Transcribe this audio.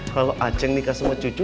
kalau aceh nikah sama cucu